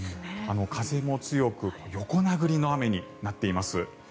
風も強く横殴りの雨になっています。